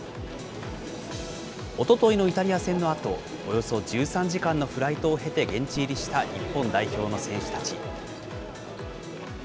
おとといのイタリア戦のあと、およそ１３時間のフライトを経て、現地入りした日本代表の選手たち。